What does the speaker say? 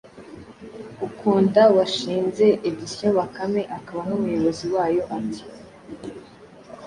Ukunda washinze Editions Bakame akaba n’umuyobozi wayo ati "